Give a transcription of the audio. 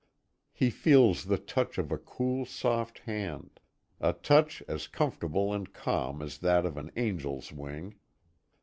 He feels the touch of a cool, soft hand, a touch as comfortable and calm as that of an angel's wing.